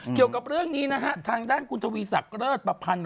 เกี่ยวกับเรื่องนี้นะฮะทางด้านคุณทวีศักดิ์เลิศประพันธ์